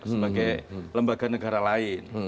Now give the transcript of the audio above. sebagai lembaga negara lain